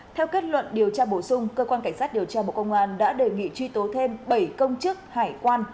theo kết luận điều tra bổ sung cơ quan cảnh sát điều tra bộ công an đã đề nghị truy tố thêm bảy công chức hải quan